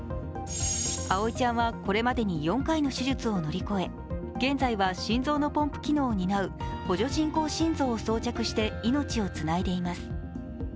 葵ちゃんはこれまでに４回の手術を乗り越え、現在は心臓のポンプ機能を担う補助人工心臓を装着して命をつないでいます。